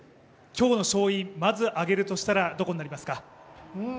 今日の勝因まず挙げるとしたらどこになりますか？